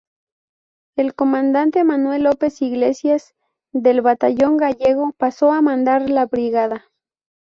El comandante Manuel López Iglesias, del batallón gallego, pasó a mandar la brigada.